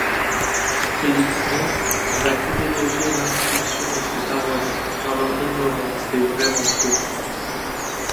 Félix Neff va privilégier l’instruction de ses paroissiens car leur ignorance est vraiment profonde.